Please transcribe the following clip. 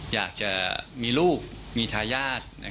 อยากจะมีลูกมีทายาท